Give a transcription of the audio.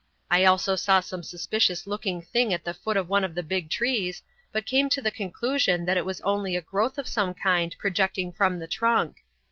I also saw some suspicious looking thing at the foot of one of the big trees, but came to the conclusion that it was only a growth of some kind projecting from the trunk.